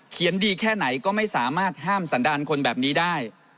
ดีแค่ไหนก็ไม่สามารถห้ามสันดาลคนแบบนี้ได้